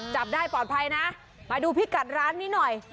จับได้ปลอดภัยนะมาดูพิกัดร้านนี้หน่อย